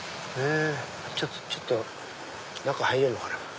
ちょっと中入れるかな？